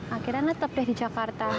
akhirnya netep deh di jakarta